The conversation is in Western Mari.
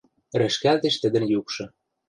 рӹшкӓлтеш тӹдӹн юкшы...